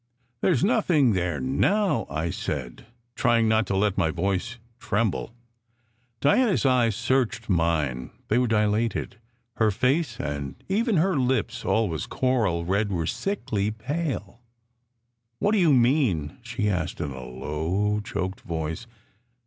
"There s nothing there now," I said, trying not to let my voice tremble. Diana s eyes searched mine. They were dilated. Her face, and even her lips always coral red were sickly pale. "What do you mean?" she asked in a low, choked voice.